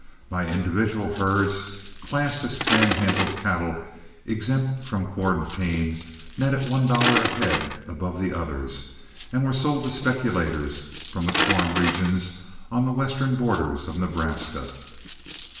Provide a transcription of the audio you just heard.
My individual herds classed as Pan Handle cattle, exempt from quarantine, netted one dollar a head above the others, and were sold to speculators from the corn regions on the western borders of Nebraska.